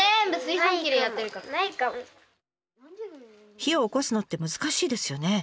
火をおこすのって難しいですよね。